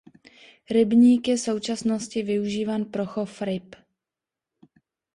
Rybník je současnosti využíván pro chov ryb.